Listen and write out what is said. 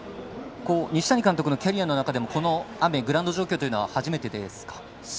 西谷監督のキャリアの中でもこの雨グラウンド状況というのは初めてですか？